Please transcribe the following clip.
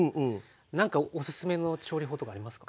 なんかおすすめの調理法とかありますか？